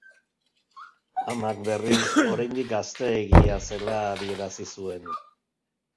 Amak, berriz, oraindik gazteegia zela adierazi zuen.